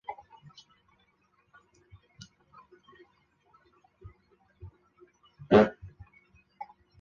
维也纳森林儿童合唱团。